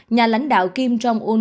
nhà lãnh đạo kim jong un